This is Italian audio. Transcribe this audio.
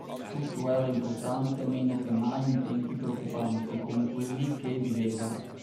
tutto era importante, meno che mai in tempi preoccupanti come quelli che viveva.